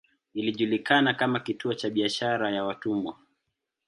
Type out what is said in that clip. Ilijulikana kama kituo cha biashara ya watumwa.